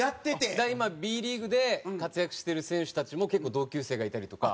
だから今Ｂリーグで活躍している選手たちも結構同級生がいたりとか。